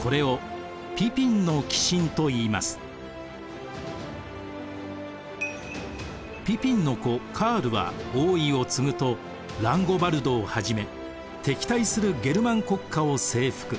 これをピピンの子カールは王位を継ぐとランゴバルドをはじめ敵対するゲルマン国家を征服。